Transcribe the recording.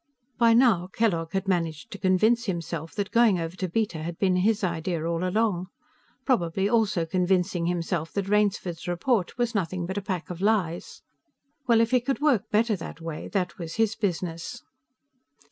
By now, Kellogg had managed to convince himself that going over to Beta had been his idea all along. Probably also convincing himself that Rainsford's report was nothing but a pack of lies. Well, if he could work better that way, that was his business.